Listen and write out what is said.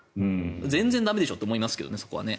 全然駄目でしょと思いますけどね。